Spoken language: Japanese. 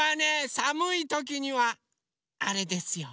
さむいときにはあれですよ。